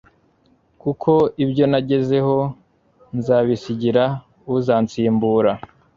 kuko ibyo nagezeho nzabisigira uzansimbura